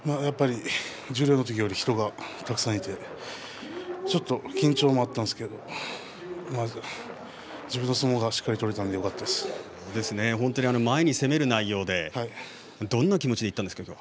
十両の時よりも人がたくさんいて緊張はちょっとあったんですけれど自分の相撲がしっかり取れて前に攻める内容でどんな気持ちでいったんですか。